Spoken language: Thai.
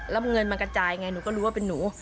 แล้วเงินมันกระจายไงหนูก็รู้ว่าเป็นหนู